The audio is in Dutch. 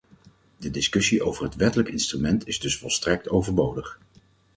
De discussie over het wettelijk instrument is dus volstrekt overbodig.